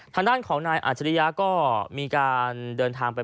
ทางด้านของนายอาจริยะก็มีการเดินทางไป